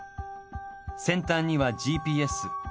先端にはＧＰＳ。